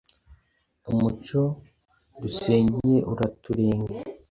umuco dusengiye uruturenge,